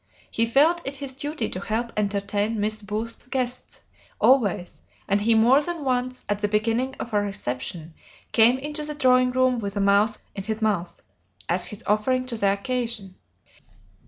He felt it his duty to help entertain Miss Booth's guests, always; and he more than once, at the beginning of a reception, came into the drawing room with a mouse in his mouth as his offering to the occasion.